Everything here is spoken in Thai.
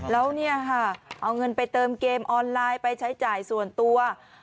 แล้วเนี่ยค่ะเอาเงินไปเติมเกมออนไลน์ไปใช้จ่ายส่วนตัว